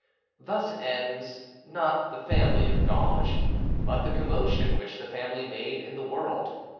Thus ends, not the family of Ganges, but the commotion which the family made in the world.